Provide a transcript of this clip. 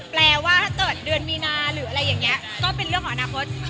แปลว่าถ้าเกิดเดือนมีนาหรืออะไรอย่างนี้ก็เป็นเรื่องของอนาคต